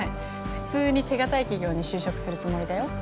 普通に手堅い企業に就職するつもりだよ。